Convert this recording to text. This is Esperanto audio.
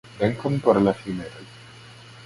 Dankon pro la filmetoj!